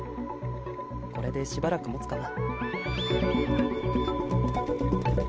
これでしばらく持つかな。